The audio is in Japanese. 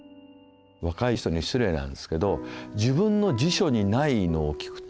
若い人に失礼なんですけど自分の辞書にないのを聞くと。